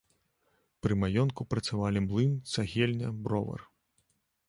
Пры маёнтку працавалі млын, цагельня, бровар.